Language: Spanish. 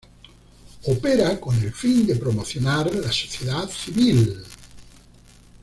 Opera con el fin de promocionar la sociedad civil.